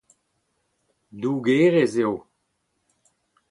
Dougerez eo.